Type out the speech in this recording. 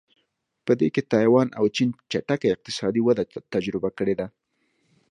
په دې کې تایوان او چین چټکه اقتصادي وده تجربه کړې ده.